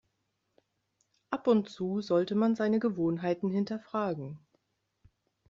Ab und zu sollte man seine Gewohnheiten hinterfragen.